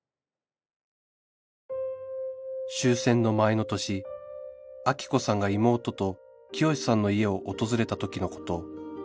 終戦の前の年アキ子さんが妹と潔さんの家を訪れたときのこと